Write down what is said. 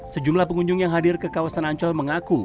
sejumlah pengunjung yang hadir ke kawasan ancol mengaku